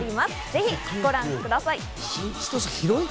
ぜひご覧ください。